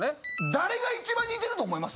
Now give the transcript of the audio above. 誰が一番似てると思います？